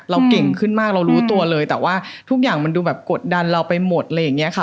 เก่งขึ้นมากเรารู้ตัวเลยแต่ว่าทุกอย่างมันดูแบบกดดันเราไปหมดอะไรอย่างนี้ค่ะ